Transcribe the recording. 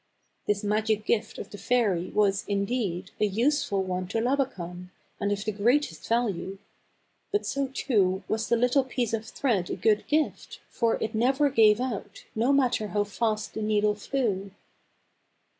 This magic gift of the fairy was, indeed, a useful one to Labakan, and of the greatest value. But so too was the little piece of thread a good gift, for it never gave out, no matter how fast the needle flew.